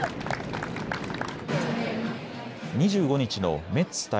２５日のメッツ対